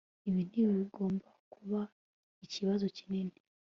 Ibi ntibigomba kuba ikibazo kinini